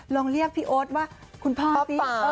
ลองเรียกพี่โอ๊ตว่าคุณพ่อสิ